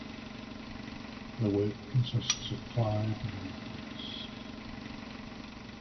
The work consists of five movements.